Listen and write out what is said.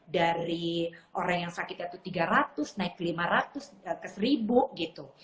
dari orang yang sakit itu tiga ratus naik ke lima ratus ke seribu gitu